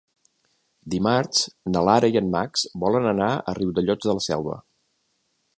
Dimarts na Lara i en Max volen anar a Riudellots de la Selva.